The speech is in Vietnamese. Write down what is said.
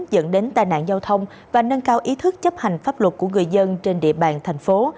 dẫn đến tai nạn giao thông và nâng cao ý thức chấp hành pháp luật của người dân trên địa bàn thành phố